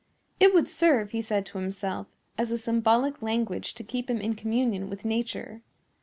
It would serve, he said to himself, as a symbolic language to keep him in communion with Nature.